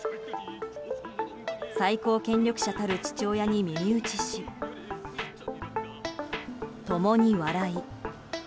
最高権力者たる父親に耳打ちし共に笑い。